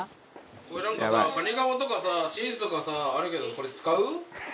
これなんかさカニカマとかさチーズとかさあるけどこれ使う？